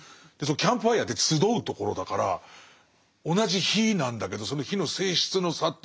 キャンプファイヤーって集うところだから同じ火なんだけどその火の性質の差というのがよく出てますね